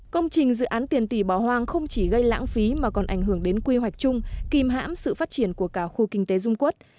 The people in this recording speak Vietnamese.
công trình dự án tiền tỷ bỏ hoang không chỉ gây lãng phí mà còn ảnh hưởng đến quy hoạch chung kìm hãm sự phát triển của cả khu kinh tế dung quốc